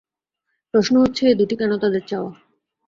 প্রশ্ন হচ্ছে, এই দুটি কেন তাদের চাওয়া?